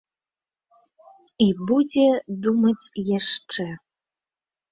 І будзе думаць яшчэ.